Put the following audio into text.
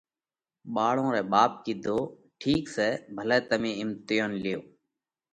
ٻاۯون رئہ ٻاپ ڪِيڌو: ٺِيڪ سئہ تمي ڀلئہ اِمتيونَ ليو۔